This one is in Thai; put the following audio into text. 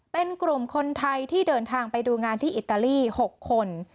เป็นกลุ่มคนไทยที่เดินทางไปดูงานที่อิตาลี๖คน